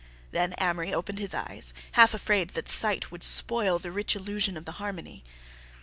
Then Amory opened his eyes, half afraid that sight would spoil the rich illusion of harmony.